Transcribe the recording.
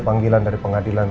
panggilan dari pengadilan